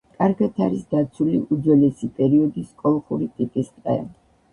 კარგად არის დაცული უძველესი პერიოდის კოლხური ტიპის ტყე.